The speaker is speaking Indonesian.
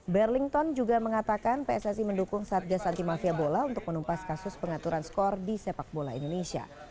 berlington juga mengatakan pssi mendukung satgas anti mafia bola untuk menumpas kasus pengaturan skor di sepak bola indonesia